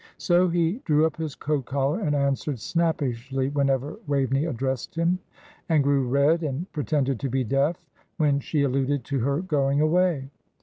So he drew up his coat collar and answered snappishly whenever Waveney addressed him; and grew red, and pretended to be deaf, when she alluded to her going away.